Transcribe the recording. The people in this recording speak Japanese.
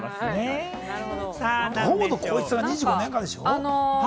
堂本光一さんが２５年間でしょ？